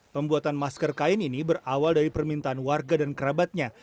pembuatan masker kain ini berawal dari permintaan warga dan kerabatnya